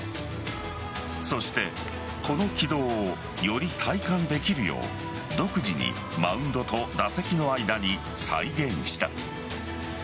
そしてこの軌道をより体感できるよう独自にマウンドと打席の間に再現した。